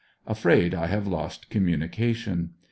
Afraid I have lost communication.